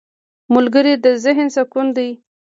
ملګری د ذهن سکون دی